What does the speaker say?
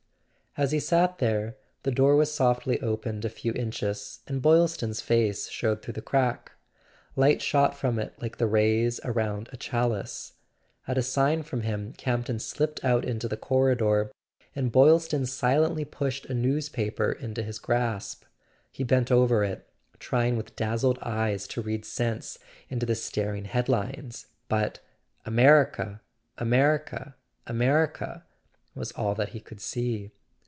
As he sat there, the door w~as softly opened a few inches and Boylston's face showed through the crack: light shot from it like the rays around a chalice. At a sign from him Campton slipped out into the corridor and Boylston silently pushed a newspaper into his grasp. He bent over it, trying with dazzled eyes to read sense into the staring head lines: but "America—America —America " was all that he could see.